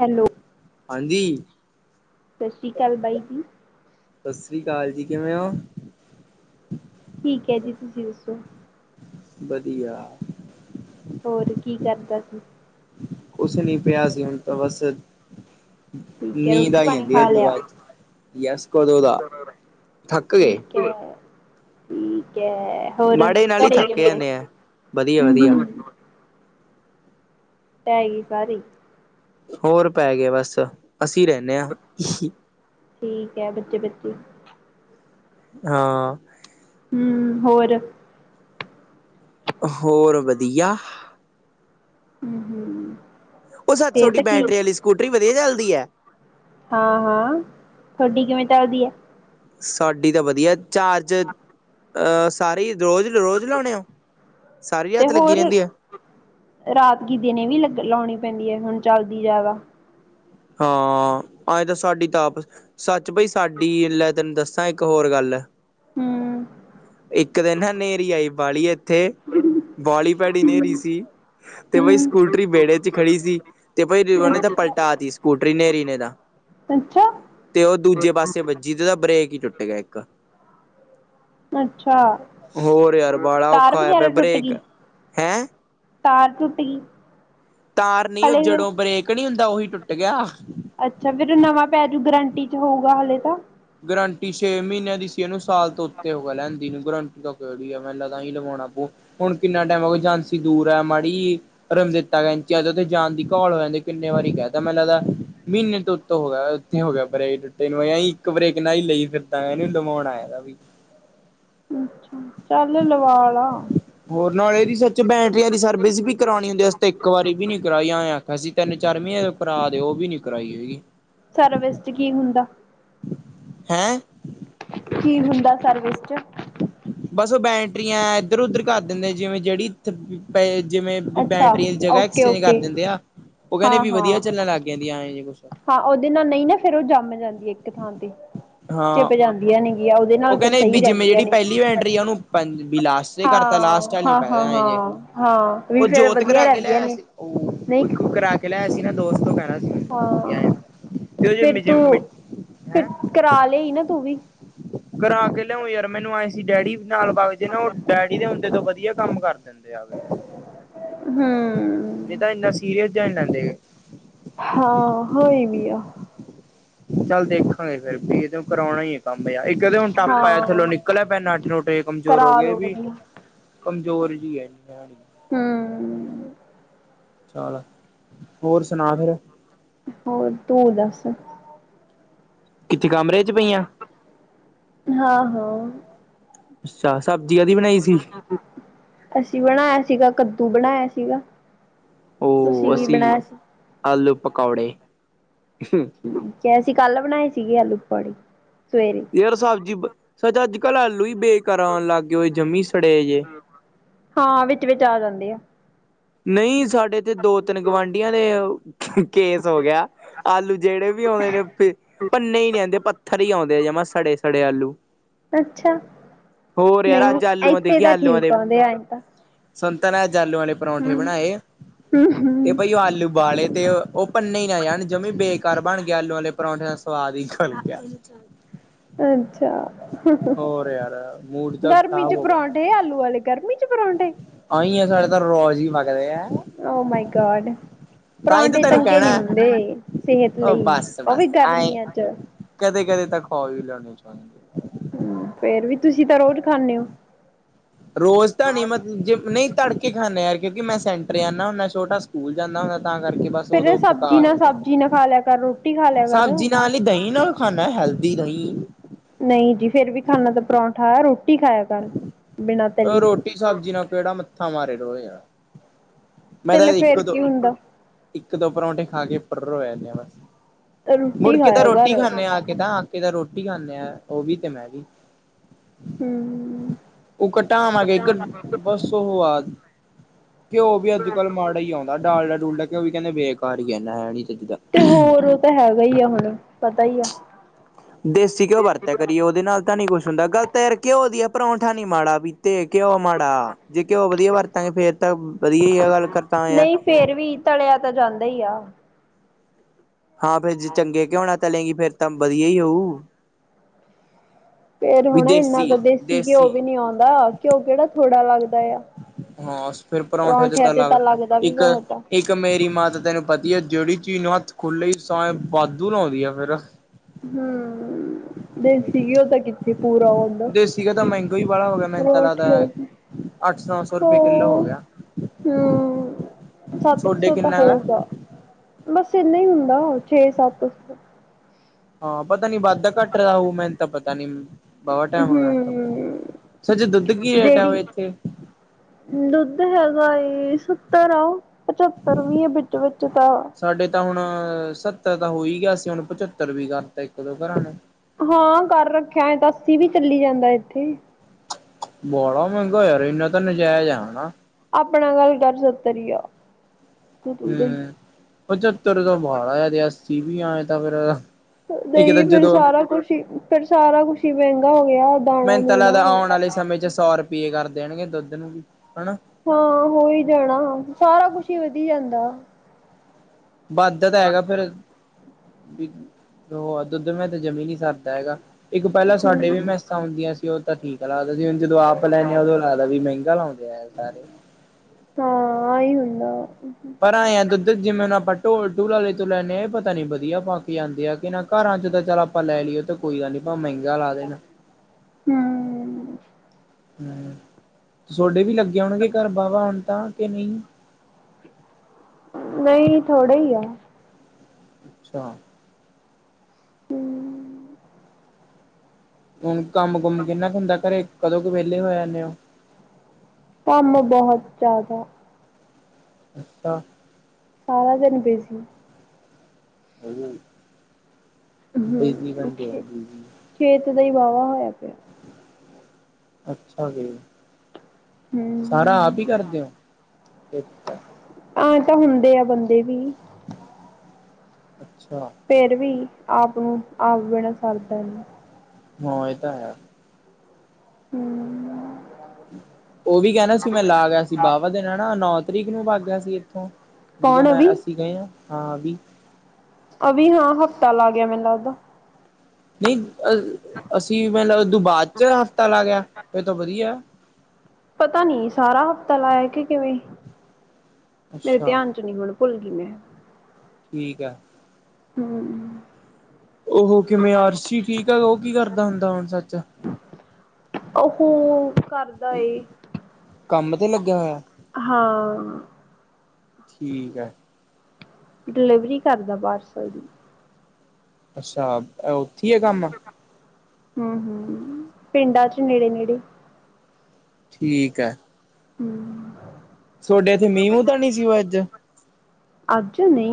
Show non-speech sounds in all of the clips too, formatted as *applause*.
Hello. ਹਾਂਜੀ, ਸਤਿ ਸ਼੍ਰੀ ਅਕਾਲ ਬਾਈ ਜੀ ਸਤਿ ਸ਼੍ਰੀ ਅਕਾਲ ਜੀ ਕਿਵੇਂ ਹੋ? ਠੀਕ ਐ ਜੀ, ਤੁਸੀਂ ਦੱਸੋਂ। ਵਧੀਆ। ਹੋਰ ਕੀ ਕਰਦਾ ਸੀ? ਕੁਛ ਨੀ ਪਿਆ ਸੀ ਹੁਨ ਬਸ ਠੀਕ ਹੈ ਨੀਂਦ ਰੋਟੀ ਆਈ ਪਾਣੀ ਜਾਂਦੀ ਖਾ ਐ ਇਤੋਂ ਲਿਆ ਬਾਅਦ ਯਸ ਕਦੋਂ ਦਾ, ਥੱਕ ਗਏ। ਠੀਕ ਠੀਕ ਐ। ਹੋਰ ਮਾੜੇ ਨਾਲ ਹੀ ਘਰੇ ਥੱਕ ਕਿਵੇਂ ਜਾਂਦੇ ਆ ਵਧੀਆ ਹੂੰ ਵਧੀਆ ਹੂੰ। ਟਾਈ ਬੈਰੀ ਹੋਰ ਪੈ ਗਏ ਬਸ ਅਸੀਂ ਰਹਿੰਦੇ ਹਾਂ। ਠੀਕ ਹੈ ਬੱਚੇ ਬੱਚੇ। ਹਾਂ। ਹੂੰ ਹੋਰ ਹੋਰ ਵਧੀਆ ਹੂੰ ਹੂੰ ਓ ਸੱਚ ਸੌਡੀ ਬੈਟਰੀ ਵਾਲੀ ਸਕੂਟਰੀ ਵਧੀਆ ਚੱਲਦੀ ਏ। ਹਾਂ-ਹਾਂ, ਤੁਅਡੀ ਕਿਵੇਂ ਚਲਦੀ ਆ। ਸਾਡੀ ਤਾਂ ਵਧੀਆ, ਚਾਰਜ ਅਹ ਸਾਰੇ ਰੋਜ਼-ਰੋਜ਼ ਚਲਾਣੇ ੳ, ਸਾਰੀ ਤੇ ਰਾਤ ਲੱਗੀ ਹੋਰ ਰੇਂਦੀ ਆ। ਰਾਤ ਕਿ ਦਿਨੇ ਵੀ ਲਗ ਲਾਉਣੀ ਪੈਂਦੀ ਐ, ਹੁਣ ਚੱਲਦੀ ਜਾਦਾ। ਹਾਂ, ਅਏਂ ਤਾਂ ਸਾਡੀ ਤਾਂ ਆਪ। ਸੱਚ ਭਈ ਸਾਡੀ, ਲੈ ਤੈਨੂੰ ਦੱਸਾਂ ਇੱਕ ਹੋਰ ਗੱਲ ਹੂੰ ਏਕ ਦਿਨ ਹੈ ਹਨੇਰੀ ਆਈ ਬਾਲੀ ਏਥੇ *inaudible* ਬਾਡੀ ਭੈੜੀ ਹਨੇਰੀ ਸੀ ਤੇ ਬਈ ਹਮ ਸਕੂਟਰੀ ਵੇੜੇ ਚ ਖੜੀ ਸੀ। ਤੇ ਬਈ ਓਨੇ ਤਾਂ ਪਲਟਾਤੀ ਸਕੂਟਰੀ ਨੇੇਰੀੇ ਨੇ ਤਾਂ। ਅੱਛਾ। ਤੇ ਓ ਦੂਜੇ ਪਾਸੇ ਵੱਜੀ ਤੇ ਓਦਾ ਬ੍ਰੇਕ ਹੀ ਟੁੱਟ ਗਿਆ ਏਕ। ਅੱਛਾ। ਹੋਰ ਯਾਰ ਬੜਾ ਤਾਰ ਔਖਾ ਹੋਯਾ ਵਗੈਰਾ ਪਿਆ ਟੁੱਟ ਬ੍ਰੇਕ, ਗਈ ਹੈਂ। ਤਾਰ ਟੁੱਟ ਗੀ। ਤਾਰ ਨਈ ਓ ਜਦੋਂ ਬਰੇਕ ਨੀ ਹੁੰਦਾ ਓਹੀ ਟੁੱਟ ਗਿਆ। ਅੱਛਾ ਫੇਰ ਨਵਾਂ ਪੈਜੂ ਗਰੰਟੀ ਚ ਹੋਊਗਾ ਹਲੇੇ ਤਾਂ। ਗਰੰਟੀ ਛੇ ਮਹੀਨਿਆਂ ਦੀ ਸੀ, ਇਹਨੂੰ ਸਾਲ ਤੋਂ ਉੱਤੇ ਹੋ ਗਿਆ ਲੈਦ ਗਰੰਟੀ ਤਾਂ ਕੇੜੀ ਆ। ਮੈਂ ਤਾਂ ਨਵਾਂ ਹੀ ਲਵਾਉਣਾ ਪਊ ਹੁਣ ਕਿੰਨਾ ਟੇਮ‌ ਹੋ ਗਿਆ। ਝਾਂਸੀ ਦੂਰ ਏ ਮਾੜੀ ਰਮਦਤਾ ਕ ਜਾਣ ਦੀ ਘੌਲ ਹੋ ਜਾਂਦੀ ਕਿਨੇ ਵਾਰੀ ਕੇਹ ਤਾਂ ਮੈਨੂੰ ਲੱਗਦਾ ਮਹੀਨੇ ਤੋਂ ਉੱਤੋਂ ਹੋ ਗਿਆ। ਥੇ ਹੋ ਗਿਆ ਬ੍ਰਰੇਕ ਟੁੱਟੇ ਨੂੰ ਇੱਕ ਬ੍ਰੇਕ ਨਾਲ ਹੀ ਲਈ ਫਿਰਦਾ ਨੂੰ ਲਵਾਉਣ ਆਦਾ ਵੀ। ਅੱਛਾ ਚੱਲ ਲਵਾਲਾ। ਹੋਰ ਨਾਲ ਏਦੀ ਸੱਚ ਬੈਟਰੀਆਂ ਦੀ ਸਰਵਿਸ ਵੀ ਕਰਾਉਣੀ ਹੁੰਦੀ। ਅਸੀ ਤੇ ਏਕ ਵਾਰੀ ਵੀ ਨੀ ਕਰਵਾਈ ਆਆ। ਅਸੀਂ ਤਿੰਨ-ਚਾਰ ਮਹੀਨੇ ਦੇ ਕਰਰਾ ਦੇ ਓਵੀ ਨੀ ਕਰਾਈ ਹੈਗੀ। ਸਰਵਿਸ ਵਿੱਚ ਕੀ ਹੁੰਦਾ? ਹੈਂ। ਕੀ ਹੁੰਦਾ ਸਰਵਿਸ 'ਚ। ਬਸ ਓ ਬੈਟਰੀਆਂ ਏਧਰ ਉਧਰ ਕਰ ਦਿੰਦੇ ਜਿਵੇਂ ਜੇੜੀ ਪ ਪਏ ਜਿਵੇਂ ਅੱਛਾ ਬੈਟਰੀ ਦੀ ਜਗਾ ਓਕੇ ਐਕਸਚੇਂਜ ਕਰ ਓਕੇ ਦਿੰਦੇ ਆ। ਓ ਕੇਂਦੇ ਹਾਂ ਵੀ ਹਾਂ ਵਧੀਆ ਚੱਲਣ ਲੱਗ ਜਾਦੀਆਂ ਆਏ ਜੇ ਕੁਛ। ਹਾਂ ਓਦੇ ਨਾਲ ਨਈ ਨਾ ਫੇਰ ਓ ਜੰਮ ਜਾਂਦੀ ਏ ਏਕ ਥਾਂ ਤੇ। ਹਾਂ ਚਿਪ ਜਾਂਦੀਆਂ ਨੇਗੀਆਂ ਓਦੇ ਨਾਲ ਫਿਰ ਸਹੀ ਰਹਿੰਦੀਆਂ ਨੇ। ਬੈਟਰੀਆਂ ਨੂੰ ਪੰਜ ਵਿਲਾਸ। ਕਰਤਾ ਹਾਂ ਲਾਸਟੱਲ ਨ ਹਾਂ ਹਾਂ ਪੈ ਜੇ ਹਾਂ ਹਾਂ ਵੀ ਉਹ ਫੇਰ ਜੋਤ ਵਧੀਆ ਕਰਾ ਕੇ ਰਹਿੰਦੀਆਂ ਲੈ ਨੇ ਸੀ ਓ ਨਹੀਂ ਕਰਾ। ਕਰਾਕੇ ਲਿਆਯਾ ਸੀ ਦੋਸਤ ਨੂੰ ਕੇਣਾ ਸ ਹਾਂ, ਫਿਰ ਤੂੰ ਜਿਵੇਂ ਫਿਰ ਹੈਂ ਕਰਾ ਲਿਆ ਈ ਨਾ ਤੂੰ ਵੀ। ਕਰਾ ਕੇ ਲਿਆਓ ਯਾਰ ਮੈਨੂੰ ਆਏ ਸੀ। ਡੈਡੀ ਨਾਲ ਵਾਗਜੇ ਨਾ ਓ ਡੈਡੀ ਦੇ ਹੁੰਦੇ ਤੋਂ ਵਧੀਆ ਕਾਮ ਕਰ ਦਿੰਦੇ ਆ ਗ। ਹੂੰ। ਨਈ ਤਾਂ ਇੰਨਾ ਸੀਰੀਅਸ ਜਾ ਹੀ ਲੈਂਦੇ ਹੈਗੇ। ਹਾਂ, ਹੋਈ ਵੀ ਆ। ਚੱਲ ਦੇਖਾਂਗੇ ਫੇਰ ਵੀ ਇਹਦੂ ਕਰਾਉਣਾ ਈ ਆ। ਕਾਮ ਏਯਾ ਏਕ ਕਦੇ ਹੁਣ ਟੱਪ ਆਇਆ ਹਾਂ ਥੱਲੋਂ ਨਿਕਲਿਆ ਪੈ ਨ ਨੱਠ ਨੁੱਠ ਕਮਜ਼ੋਰ ਕਰਾ ਹੋ ਗਏ ਲੋ ਵੀ ਵਧੀਆ ਕਮਜ਼ੋਰ ਜੀ ਹੈ। ਹੂ। ਚਲ, ਹੋਰ ਸੁਣਾ ਫੇਰ? ਹੋਰ, ਤੂੰ ਦੱਸ? ਕਿੱਥੇ ਕਮਰੇ 'ਚ ਪਈ ਆਂ? ਹਾਂ-ਹਾਂ। ਅੱਛਾ ਸਬਜੀ *inaudible* ਦੀ ਬਣਾਈ ਸੀ। ਅਸੀਂ ਬਣਾਇਆ ਸੀਗਾ, ਕੱਦੂ ਬਣਾਇਆ ਸੀਗਾ। ਤੁਸੀਂ ਉਹ ਕੀ ਅਸੀਂ ਬਣਾਇਆ ਸੀ ਆਲੂ ਪਕੌੜੇ। ਠੀਕ ਹੈ, ਅਸੀਂ ਕੱਲ ਬਣਾਏ ਸੀਗੇ, ਆਲੂ ਪਾਕੌੜੇ ਸਵੇਰੇ ਤੇ, ਯਾਰ ਸਬਜ਼ੀ ਸੱਚਾ ਅੱਜ ਕੱਲ ਆਲੂ ਹੀ ਬੇਕਾਰ ਆਉਣ ਲੱਗ ਗੇ ਹੋਏ ਜਮੀ ਸੜੇ ਜੇ ਹਾਂ, ਵਿੱਚ ਵਿਚ ਆ ਜਾਂਦੀ ਆ। ਨਹੀਂ ਸਾਡੇ, ਤੇ ਦੋ ਤਿੰਨ ਗੁਆਂਢੀਆਂ ਨੇ। ਕੇਸ ਹੋ ਗਿਆ। ਆਲੂ ਜਿਹੜੇ ਵੀ ਆਉਂਦੇ ਨੇ ਭੰਨੇ ਹੀ ਨਹੀ ਜਾਦੇ ਪੱਥਰ ਹੀ ਆਉਂਦੇ। ਜਮਾਂ, ਸੜੇ-ਸੜੇ, ਆਲੂ। ਅੱਛਾ ਹੋਰ, ਯਾਰ ਨਹੀਂ ਅੱਜ ਆਲੂਆਂ ਇੱਥੇ ਦੇਖ ਤਾਂ ਆਲੂਆਂ ਦੇ ਠੀਕ ਆਉਂਦੇ ਆ ਐ ਤਾਂ ਸੰਤਾਂ ਨੇ ਅੱਜ ਆਲੂ ਵਾਲੇ ਪਰੌਂਠੇ ਹੂੰ ਬਣਾਏ, ਹੂੰ ਤੇ ਹੂੰ ਭਾਈ ਉਹ ਆਲੂ ਬਾਲੇ ਤੇ ਉਹ ਭੰਨੇ ਹੀ ਨਾ ਜਾਣ ਜਮੀ ਬੇਕਾਰ ਬਣ ਗਿਆ। ਆਲੂ ਵਾਲੇ ਪਰੌਂਠੇ ਦਾ ਸਵਾਦ ਹੀ ਗੱਲ ਗਿਆ। ਅੱਛਾ, ਹੋਰ ਯਾਰ ਮੂਡ ਤਾਂ ਗਰਮੀ ਚ ਖ਼ਰਾਬ ਹੋ ਗਿਆ ਪਰੌਠ ਆਲੂ ਵਾਲੇ ਗਰਮੀ ਚ ਪਰਠੇ--ੇ *unintelligible* ਉਹ, ਮਾਈ ਗੋਡ। ਤਾਂ ਹੀ ਤਾਂ ਪਰਾਂਠੇ ਤੈਨੂੰ ਚੰਗੇ ਨਹੀਂ ਕਹਿਣਾ ਹੁੰਦੇ। ਸਿਹਤ ਉਹ ਲਈ ਉਹ ਵੀ ਗਰਮੀਆਂ ਚ। ਕਦੇ-ਕਦੇ, ਤਾਂ ਖਵਾਆ ਵੀ ਲੈਉਣੀ ਚਾਹੁੰਦੇ। ਹੂ, ਫੇਰ ਵੀ ਤੁਸੀਂ ਤਾਂ ਰੋਜ਼ ਖਾਂਦੇ। ਹੋ ਰੋਜ਼ ਤਾ ਨਹੀਂ ਮਤਲਬ, ਜੇ ਨਹੀਂ ਤੜਕੇ ਖਾਂਦੇ, ਯਾਰ ਕਿਉਂਕਿ, ਮੈਂ ਸੈਂਟਰ ਜਾਂਦਾ ਹੁੰਦਾ ਛੋਟਾ ਸਕੂਲ ਜਾਂਦਾ ਹੁੰਦਾ, ਤਾਂ ਕਰਕੇ ਬਸ ਫੇਰ ਉਦੋਂ ਸਬਜ਼ੀ ਪਕਾ ਨਾ ਲੈਂਦੇ ਆ। ਸਬਜ਼ੀ ਨਾ ਖਾ ਲਿਆ ਕਰ ਰੋਟੀ ਖਾ ਲਿਆ ਕਰ ਸਬਜ਼ੀ ਨਾਲ ਹੀ ਦਹੀਂ ਨਾਲ ਖਾਣਾ ਹੈਲਦੀ ਨਹੀਂ। ਨਹੀਂ ਜੀ, ਫੇਰ ਵੀ ਖਾਨਾ ਤਾਂ ਪਰੌਂਠਾ ਆ, ਰੋਟੀ ਖਾਇਆ ਕੱਲ ਰੋਟੀ, ਸਬਜ਼ੀ ਨਾਲ ਕਿਹੜਾ ਮੱਥਾ ਮਾਰੇ ਰੋਜ। ਮੈਂ ਤਾਂ ਤੇਲੇ ਇੱਕ ਫੇਰ ਦੋ ਕੀ ਹੁੰਦਾ ਇੱਕ ਦੋ ਪਰੌਂਠੇ ਖਾ ਕੇ ਪਰਰ ਹੋ ਜਾਨਾ ਆਂ। ਬਸ ਮੁੜ ਰੋਟੀ ਕੇ ਤਾਂ ਖਾਇਆ ਕਰ ਰੋਟੀ ਹੂੰ ਖਾਂਦੇ ਆ ਕੇ ਤਾਂ, ਆ ਕੇ ਤਾਂ ਰੋਟੀ ਖਾਂਦੇ ਆ। ਉਹ ਵੀ ਤੇ ਮੈਂ ਵੀ ਹੂ। ਉਹ ਘਟਾਵਾਗੇ। ਇੱਕ ਬਸ ਉਹ ਬਾਦ ਘਿਓ ਵੀ ਅੱਜ ਕੱਲ ਮਾੜਾ ਹੀ ਆਉਂਦਾ। ਡਾਲਡਾ ਡੂਡਾ ਘਿਓ ਵੀ ਕਹਿੰਦੇ ਬੇਕਾਰ ਹੀ ਆ। ਹੈਨੀ ਚੱਜ ਦਾ ਤੇ ਹੋਰ, ਉਹ ਤਾਂ ਹੈਗਾ ਹੀ ਆ। ਹੁਣ ਪਤਾ ਹੀ ਆ। ਦੇਸੀ ਘਿਉ ਵਰਤ ਕਰੀਏ। ਉਹਦੇ ਨਾਲ ਤਾਂ ਨੀ ਕੁੱਛ ਹੁੰਦਾ, ਗਲ ਤਾ ਘਿਉ ਦੀ ਹੈ। ਪਰੌਂਠਾ ਨੀ ਮਾੜਾ ਵੀ ਤੇ ਘਿਓ ਮਾੜਾ, ਜੇ ਘਿਓ ਵਧੀਆ ਵਰਤਾਂਗੇ। ਫੇਰ ਤਾਂ ਵਧੀਆ ਹੀ ਆ। ਗੱਲ ਕਰਤਾ ਆ। ਨਹੀਂ ਫੇਰ, ਵੀ ਤਲਿਆ ਤਾਂ ਜਾਂਦਾ ਹੀ ਆ। ਹਾਂ, ਫੇਰ ਜੇ ਚੰਗੇ ਘਿਉ ਨਾਲ ਤਲੀ ਗਈ। ਫੇਰ ਤਾਂ ਵਧੀਆ ਹੀ ਹੋਊ। ਫੇਰ ਹੁਣੇ, ਇੰਨਾ ਤਾਂ ਦੇਸੀ ਘਿਓ ਵੀ ਨੀ ਆਉਂਦਾ। ਘਿਓ ਕਿਹੜਾ ਥੋੜ੍ਹਾ ਲੱਗਦਾ ਆ। ਹਾਂ, ਫਿਰ ਪਰੌਂਠੇ ਤੇ ਪਰੌਂਠਿਆਂ ਤਾਂ ਲ ਲੱਗਦਾ ਵੀ ਇੱਕ ਬਹੁਤ ਆ। ਇੱਕ ਮੇਰੀ ਮਾਂ ਦਾ ਤਾਂ ਤੈਨੂੰ ਪਤਾ ਆ। ਜਿਹੜੀ ਚੀਜ਼ ਨੂੰ ਹੱਥ ਖੁੱਲੇ ਸੋਏ ਵਾਧੂ ਲਾਉਂਦੀ ਆ। ਫੇਰ ਹੂ, ਦੇਸੀ ਘਿਓ ਤਾਂ ਕਿੱਥੇ ਪੂਰਾ ਹੁੰਦਾ। ਦੇਸੀ ਘਿਓ ਤਾਂ ਮਹਿੰਗਾ ਹੀ ਬਾਲਾ ਹੋਗਿਆ, ਮੈਨੂੰ ਤਾਂ ਲੱਗਦਾ ਤੇ ਅੱਠ-ਨੌ-ਸੌ ਰੁਪਏ ਕਿੱਲੋ ਹਾਂ ਹੋਗਿਆ। ਹੂੰ, ਸੱਤ ਕੁ ਸੌ ਤਾਂ ਕਿੰਨਾ ਗਾ ਹੋਊਗਾ। ਬਸ ਇੰਨਾ ਹੀ ਹੁੰਦਾ, ਉਹ ਛੇ, ਸੱਤ ਹਾਂ ਪਤਾ ਨੀ ਵੱਧਦਾ- ਘੱਟਦਾ ਰਾ ਹੋਊ, ਮੈਨੂੰ ਤਾਂ ਪਤਾ ਨੀ। ਬਾਵਾ ਟੈਮ ਹੈਗਿਆ, ਹੂੰ *inaudible* ਸਚ ਦੁੱਧ ਕੀ ਰੇਟ ਆ, ਓ ਜਿਹੜੀ ਇੱਥੇ? ਦੁੱਧ ਹੈਗਾਏ, ਸੱਤਰ ਆ। ਪਚੱਤਰ ਵੀ ਏ, ਵਿੱਚ-ਵਿੱਚ ਤਾ। ਸਾਡੇ ਤਾਂ ਹੁਣ ਸੱਤਰ ਤਾਂ ਹੋਈ ਗਿਆ ਸੀ, ਹੁਣ ਪਚੱਤਰ ਵੀ ਕਰਤਾ ਇੱਕ-ਦੋ ਘਰਾਂ ਨੇ। ਹਾਂ, ਕਰ ਰੱਖਿਆ, ਐਂ ਤਾਂ ਅੱਸੀ ਵੀ ਚੱਲੀ ਜਾਂਦਾ ਇੱਥੇ। ਬਾਲਾ ਮਹਿੰਗਾ ਹੋਇਆ ਯਾਰ, ਇੰਨਾ ਤਾਂ ਨਜਾਇਜ਼ ਆ ਹਣਾ? ਆਪਣਾ ਗੱਲ ਕਰ, ਸੱਤਰ ਈ ਆ। ਤੂੰ ਤੂੰ ਦਾ ਹੀ ਹੂੰ, ਪਚੱਤਰ ਤਾ ਬਾਹਲਾ ਯਾਂ, ਤੇ ਅੱਸੀ ਵੀ ਆਂਏ ਤਾਂ ਫਿਰ ਇੱਕ ਤਾਂ ਨਈ, ਫਿਰ ਜਦੋਂ ਸਾਰਾ ਕੁਛ ਹੀ, ਫਿਰ ਸਾਰਾ ਕੁਛ ਹੀ ਮਹਿੰਗਾ ਹੋਗਿਆ ਦਾਲਾਂ-ਦੂਲਾਂ। ਸਮੇਂ'ਚ ਸੌ ਰੁਪਈਏ ਕਰ ਦੇਣਗੇ, ਦੁੱਧ ਨੂੰ ਵੀ ਹਣਾ। ਹਾਂ, ਹੋਹੀ ਜਾਣਾ ਸਾਰਾ ਕੁਛ ਹੀ ਵਧੀ ਜਾਂਦਾ। ਵੱਧਦਾ ਤਾ ਹੈਗਾ ਫੇਰ, ਵੀ ਉਹ ਦੁੱਧ ਮੈਂ ਤੇ ਜਮੀ ਨ ਸਰ ਹੈਗਾ, ਇੱਕ ਪਹਿਲਾਂ ਸਾਡੇ ਹਮ ਵੀ ''ਮੈਂ ਹੁੰਦੀਆਂ ਸੀ, ਉਹ ਤਾਂ ਠੀਕ ਆ ਲਗਦਾ ਸੀ ਹੁਣ ਜਦੋਂ ਆਪ ਲੈਨੇ ਆ, ਉਦੋਂ ਲੱਗਦਾ ਵੀ ਮਹਿੰਗਾ ਲਾਉਂਦੇ ਆ ਸਾਰੇ। ਹਾਂ, ਆਈ ਹੁੰਦਾ। ਪਰ ਆਂਏ ਆ, ਦੁੱਧ ਜਿਵੇਂ ਆਪਾਂ ਢੋਲ-ਢੂਲ ਆਲੇ ਤੋ ਲੈਂਨੇ ਆ, ਇਹ ਪਤਾ ਨੀ ਵਧੀਆ ਪਾਕੇ ਆਂਦੇ ਆ ਕਿ ਨਾ ਘਰਾਂ'ਚ ਤਾਂ ਚੱਲ ਆਪਾਂ ਲੈ ਲੀਏ ਤੇ ਕੋਈ ਗੱਲ ਨੀ, ਭਾਮੇਂ ਮਹਿੰਗਾ ਲਾ ਦੇਣਾ। ਹੂੰ ਹੂੰ, ਸੋਡੇ ਵੀ ਲੱਗੇ ਹੋਣਗੇ ਘਰ ਬਾਹਵਾ ਹੁਣ ਤਾਂ, ਕਿ ਨਹੀਂ। ਨਹੀਂ, ਥੋੜੇ ਹੀ ਆ। ਅੱਛਾ। ਹਮ ਹੁਣ ਕੰਮ-ਕੁੰਮ ਕਿੰਨਾ ਕੁ ਹੁੰਦਾ ਘਰੇ, ਕਦੋਂ ਕੁ ਵਿਹਲੇ ਹੋ ਜਾਂਨੇੇ ਓ? ਕੰਮ ਬਹੁਤ ਜ਼ਿਆਦਾ। ਅੱਛਾ। ਸਾਰਾ ਦਿਨ ਬਿਜ ਬੀਜੀ ਹਮ ਰਹਿੰਦੇਂ ਆ, ਬੀਜੀ। ਖੇਤ ਦਾ ਹੀ ਵਾਹਵਾ ਹੋਇਆ ਪਿਆ। ਅੱਛਾ ਜੀ। ਸਾਰਾ ਹਮ ਆਪ ਈ ਕਰਦੇ ਓਂ, ਇੱਕ ਤਾ ਆਂ, ਤਾਂ ਹੁੰਦੇ ਆ ਬੰਦੇ ਵੀ। ਅੱਛਾ। ਫਿਰ ਵੀ ਆਪ ਨੂੰ, ਆਪ ਬਿਣਾ ਸਰਦਾ ਨੀ। ਹਾਂ, ਇਹ ਤਾ ਹੈ। ਹੂੰ। ਉਹ ਵੀ ਕਹਿਣਾ ਸੀ ਮੇੈ ਲਾਗਿਆ ਸੀ, ਬਾਹਵਾ ਦਿਨ ਹਨਾ, ਨੌ ਤਰੀਕ ਨੂੰ ਬਾਗ ਗਿਆ ਸੀ, ਇੱਥੋਂ। ਜਦੋਂ ਕੌਣ ਮੈਂ ਅਵੀ ਅਸੀਂ ਗਏ ਆਂ, ਹਾਂ ਵੀ। ਅਵੀ ਹਾਂ, ਹਫ਼ਤਾ ਲਾਗਿਆ ਮੈਨੁ ਲਗਦਾ। ਨਹੀਂ, ਅ ਅਸੀਂ ਮਤਲਬ ਏਦੋਂ ਬਾਅਦ'ਚ ਹਫ਼ਤਾ ਲਾਗਿਆ, ਫਿਰ ਤਾ ਵਧੀਆ। ਪਤਾ ਨੀ ਸਾਰਾ ਹਫ਼ਤਾ ਲਾਇਆ ਕੇ ਕਿਵੇਂ, ਮੇਰੇ ਅੱਛਾ ਧਿਆਨ'ਚ ਨੀ ਹੁਣ। ਭੁੱਲਗੀ ਮੈ। ਠੀਕ ਆ। ਹੂੰ, ਉਹ ਕਿਵੇਂ ਆਰਸ਼ੀ ਠੀਕ ਐ ਉਹ ਕੀ ਕਰਦਾ ਹੁੰਦਾ ਹੁਣ ਸੱਚ। ਉਹ ਫੁਨ ਕਰਦਾ ਏ। ਕੰਮ ਤੇ ਲੱਗਿਆ ਹੋਇਆ। ਹਾਂ। ਠੀਕ ਆ। ਡਿਲੀਵਰੀ ਕਰਦਾ ਪਾਰਸਲ ਦੀ। ਅੱਛਾ ਉੱਥੀ ਐ ਕੰਮ। ਹੂੰ-ਹੂੰ, ਪਿੰਡਾਂ ਚ ਨੇੜੇ-ਨੇੜੇ। ਠੀਕ ਐ। ਹੂੰ, ਸੋਡੇ ਇੱਥੇ ਮੀਹ ਮੁਹ ਤਾਂ ਨੀ ਸੀ ਔਏ ਅੱਜ? ਅੱਜ ਨਈ,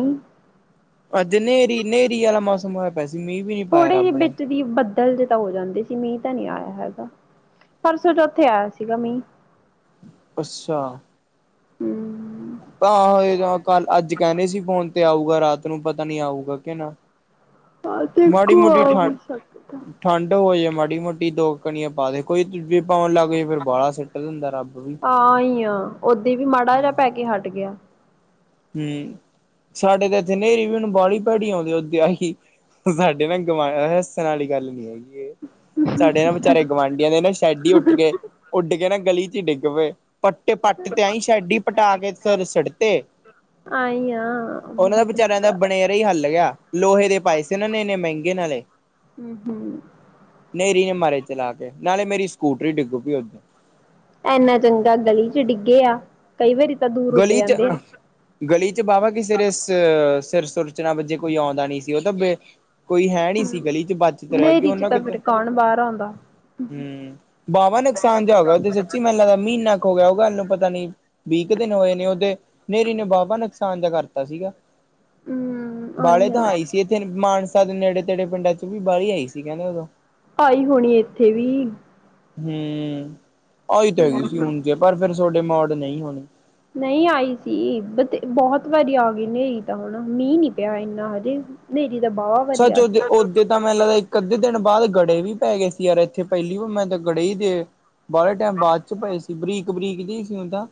ਅੱਜ ਨੇਰੀ ਨੇਰੀ ਆਲਾ ਮੌਸਮ ਹੋਇਆ ਪਿਆ ਸੀ ਮੀਂ ਥੋੜੇ ਜੇ ਵਿੱਚ ਬੱਦਲ ਜੇ ਤਾਂ ਹੋ ਜਾਂਦੇ ਸੀ ਮੀਂਹ ਤਾਂ ਨੀ ਆਇਆ ਹੈਗਾ, ਪਰਸੋਂ ਚੋਥੇ ਆਇਆ ਸੀਗਾ ਮੀਂਹ ਅੱਛਾ, ਹੂੰ ਆ ਕੱਲ ਅੱਜ ਕਹਿੰਦੇ ਸੀ ਫੋਨ ਤੇ ਆਊਗਾ ਰਾਤ ਨੂੰ ਪਤਾ ਨੀ ਆਊਗਾ ਕੇ ਨਾ ਹਾਂ ਮਾੜੀ ਦੇਖੋ ਮੋਟੀ ਆ ਠਾ ਵੀ ਸਕਦਾ। ਠੰਢ ਹੋਜੇ ਮਾੜੀ ਮੋਟੀ ਦੋ ਕਣੀਆ ਪਾ ਦੇ ਕੋਈ ਪਾਉਣ ਲੱਗ ਜਾਏ ਫਿਰ ਬਾਹਲਾ ਸਿਟ ਦਿੰਦਾ ਰੱਬ ਵੀ। ਹਾਂ ਐਈ ਆ ਓਦੇ ਵੀ ਮਾੜਾ ਜਿਹਾ ਹੂੰ। ਪੈ ਕੇ ਹਟ ਗਿਆ। ਹੂੰ, ਸਾਡੇ ਤੇ ਇੱਥੇ ਨੇਰੀ ਵੀ ਬਾਹਲੀ ਭੈੜੀ ਆਉਂਦੀ ਐ ਉਦੇ ਆਈ ਸਾਡੇ ਨਾ ਗਵਾ ਹੱਸਣ ਆਲੀ ਗੱਲ ਨੀ ਹੈਗੀ, ਸਾਡੇ ਨਾ ਵਿਚਾਰੇ ਗੁਆਂਢੀਆਂ ਦੇ ਨਾ ਸ਼ੈਡ ਈ ਉੱਡ ਗਏ ਉੱਡ ਕੇ ਨਾ ਗਲੀ ਚ ਡਿੱਗ ਪਏ। ਪੱਟੇ ਪੱਟ ਤੇ ਆਈ ਸ਼ੈਡੀ ਪਟਾ ਕੇ ਫਿਰ ਸੜ ਤੇ, ਐਈ ਐ। ਉਹਨਾਂ ਦਾ ਵਿਚਾਰਿਆਂ ਦਾ ਬਨੇਰਾ ਈ ਹੱਲ ਗਿਆ ਲੋਹੇ ਦੇ ਪਾਏ ਸੀ ਉਹਨਾਂ ਨੇ ਇੰਨੇ ਮਹਿੰਗੇ ਨਾਲੇ। ਹੂੰ-ਹੂੰ, ਨੇਰੀ ਨੇ ਮਾਰੇ ਚਲਾ ਕੇ ਨਾਲੇ ਮੇਰੀ ਸਕੂਟਰੀ ਡਿੱਗ ਪਈ ਉ ਇੰਨਾ ਚੰਗਾ ਗਲੀ ਚ ਡਿੱਗੇ ਆ। ਕਈ ਵਾਰੀ ਤਾਂ ਦੂਰ ਉੱਡ ਗਲੀ ਚ ਜਾਂਦੇ ਆ। ਗਲੀ ਚ ਵਾਹਵਾ ਕਿਸੇ ਦੇ ਸਿਰ ਸੁਰ ਚ ਨਾ ਵਜੇ ਕੋਈ ਆਉਂਦਾ ਨੀ ਸੀ ਉਹ ਤਾਂ ਬੇ ਕੋਈ ਹੈ ਨੀ ਸੀ ਗਲੀ ਚ ਬਚਤ ਰਹਿ ਗਈ ਹਨੇਰੀ ਚ ਉਹਨਾਂ ਤਾਂ ਕਿਤੇ ਫਿਰ ਕੌਣ ਬਾਹਰ ਆਉਂਦਾ ਹੂੰ ਬਾਹਵਾ ਨੁਕਸਾਨ ਜਿਹਾ ਹੋ ਗਿਆ ਉਹ ਤੇ ਸੱਚੀ ਮੈਨੂੰ ਲੱਗਦਾ ਮਹੀਨਾ ਕੁ ਹੋ ਗਿਆ ਉਹ ਗੱਲ ਨੂੰ ਪਤਾ ਨੀ। ਇੱਕ ਦਿਨ ਹੋਏ ਨੇ ਉਹਦੇ ਨੇਰੀ ਨੇ ਬਾਵਾ ਨੁਕਸਾਨ ਜਾ ਕਰਤਾ ਸੀਗਾ। ਹੂੰ ਵਾਲੇ ਤਾਂ ਆ। ਆਈ ਸੀ ਇੱਥੇ ਮਾਨ ਸਾਦ ਨੇੜੇ ਤੇੜੇ ਪਿੰਡਾਂ ਚ ਵੀ ਬਾਹਲੀ ਆਈ ਸੀ ਕਹਿੰਦੇ ਉਦੋਂ ਆਈ ਹੋਣੀ ਇੱਥੇ ਵੀ ਹੂੰ, ਆਈ ਤਾਂ ਹੈਗੀ ਸੀ ਹੂੰ। ਹੁਣ ਜੇ ਪਰ ਫਿਰ ਸੋਡੇ ਮੋੜ ਨਈ ਹੋਣੀ। ਨਹੀਂ ਆਈ ਸੀ ਬ ਤੇ ਬਹੁਤ ਵਾਰੀ ਆ ਗਈ ਹਨੇਰੀ ਤਾਂ ਹੁਣ ਮੀਂਹ ਨੀ ਪਿਆ ਇੰਨਾ ਹਜੇ। ਨੇਰੀ ਦਾ ਬਾਵਾ ਸੱਚ ਓਦੇ ਓਦੇ ਤਾਂ ਮੈੈਂਰੇ ਲਵੇ। ਅੱਧੇ ਦਿਨ ਬਾਅਦ ਗੜੇ ਵੀ ਪੈ ਗਏ ਸੀ ਯਾਰ ਇੱਥੇ ਪਹਿਲੀ ਵੀ ਮੈਂ ਤਾਂ ਗੜੇ ਈ ਦੇ ਬਾਹਲੇ ਟਾਈਮ ਬਾਅਦ ਚ ਪਏ ਸੀ ਬਰੀਕ ਬਰੀਕ ਜੇ ਸੀ ਓ ਤਾ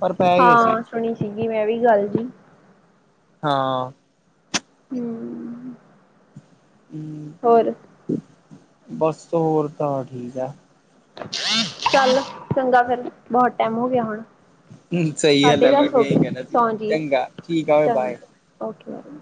ਪਰ ਪੈ ਗਏ ਸੀ ਹਾਂ ਸੁਣੀ ਸੀਗੀ ਮੈਂ ਵੀ ਗੱਲ ਜੀ ਹਾਂ ਹਮ ਹਮ ਹੋਰ ਬਸ ਹੋਰ ਤਾਂ ਠੀਕ ਆ ਚੱਲ ਚੰਗਾ ਫਿਰ ਬਹੁਤ ਟੈਮ ਹੋ ਗਿਆ ਹੁਣ ਸਹੀ ਸਾਢੇ ਹੱਲ ਮੈਂ ਦਸ ਹੋ ਵੀ ਇਹੀ ਗਏ ਕਹਿਣਾ ਸੀ ਸੌ ਜੀ ਚੰਗਾ ਠੀਕ ਆ ਹੋ ਬਾਏ ਚੰਗਾ ਓਕੇ ਮੈਮ